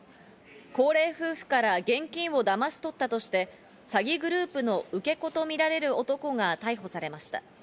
高齢夫婦から現金をだまし取ったとして、詐欺グループの受け子とみられる男が逮捕されました。